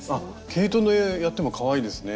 毛糸でやってもかわいいですね。